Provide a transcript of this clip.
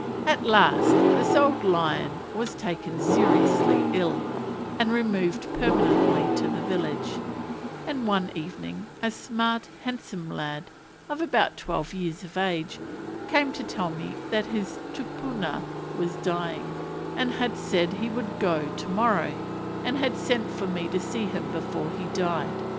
At last this old lion was taken seriously ill, and removed permanently to the village; and one evening a smart, handsome lad, of about twelve years of age, came to tell me that his tupuna was dying, and had said he would "go" to morrow, and had sent for me to see him before he died.